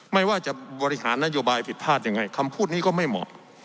ไม่ว่าจะบริหารนโยบายผิดพลาดยังไงคำพูดนี้ก็ไม่เหมาะ